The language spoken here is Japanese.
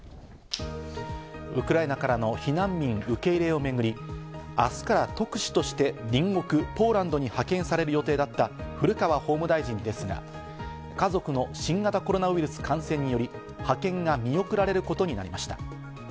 ウクライナからの避難民受け入れをめぐり、明日から特使として隣国ポーランドに派遣される予定だった古川法務大臣ですが、家族の新型コロナウイルス感染により派遣が見送られることになりました。